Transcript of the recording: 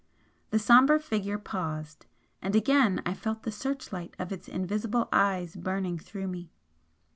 The sombre Figure paused: and again I felt the search light of its invisible eyes burning through me.